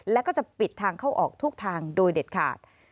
แล้วก็จะปิดทางเข้าออกทุกทางโดยเด็ดขาด